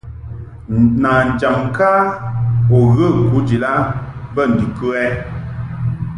Nanjam ŋka u ghə kujid a bə ndikə ?